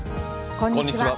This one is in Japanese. こんにちは。